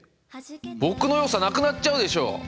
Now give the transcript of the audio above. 僕のよさなくなっちゃうでしょ！